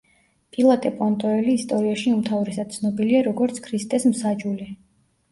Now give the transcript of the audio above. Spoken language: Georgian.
პილატე პონტოელი ისტორიაში უმთავრესად ცნობილია, როგორც ქრისტეს მსაჯული.